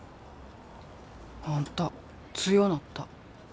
あんた強なった。